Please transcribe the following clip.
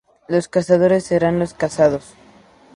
Los cazadores serán los cazados.